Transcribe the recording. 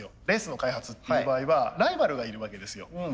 レースの開発っていう場合はライバルがいるわけですよ。